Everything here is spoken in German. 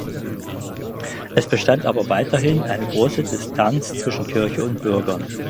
Es bestand aber weiterhin eine große Distanz zwischen Kirche und Bürgern.